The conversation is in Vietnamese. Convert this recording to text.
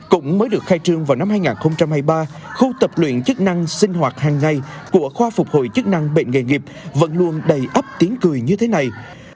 cũng mới được khai trương vào năm hai nghìn hai mươi ba khu tập luyện chức năng sinh hoạt hàng ngày của khoa phục hồi chức năng bệnh nghệ nghiệp vẫn luôn đầy ấp tiếng cười như thế này